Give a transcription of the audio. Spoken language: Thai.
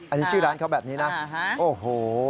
อันนี้ชื่อร้านเขาแบบนี้นะโอ้โห